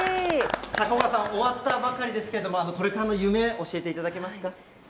Ｃｏｃｏａさん、終わったばかりですけれども、これからの夢、教えていただけますか？